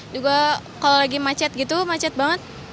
juga kalau lagi macet gitu macet banget